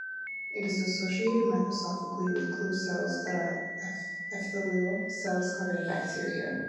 It is associated microscopically with clue cells, which are epithelial cells covered in bacteria.